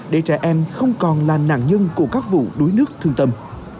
để trẻ em không còn là nạn nhân của các vụ đuối nước thương tâm